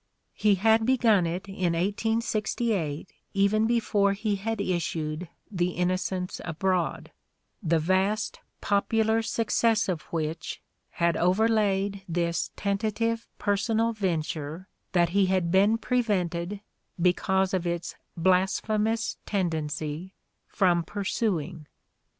He had begun it in 1868, even before he had issued '' The Innocents Abroad, '' the vast popu lar success of which had overlaid this tentative personal venture that he had been prevented, because of its "blasphemous" tendency, from pursuing.